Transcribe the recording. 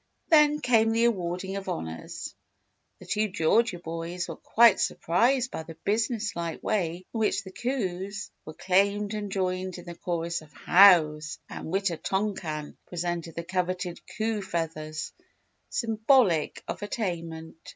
Then came the awarding of Honours. The two Georgia boys were quite surprised by the businesslike way in which the coups were claimed and joined in the chorus of "Hows" as Wita Tonkan presented the coveted coup feathers, symbolic of attainment.